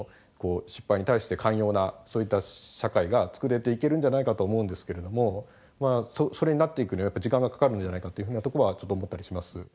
失敗に対して寛容なそういった社会が作れていけるんじゃないかと思うんですけれどもまあそれになっていくにはやっぱ時間がかかるんじゃないかというふうなところはちょっと思ったりします。